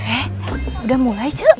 eh udah mulai cuy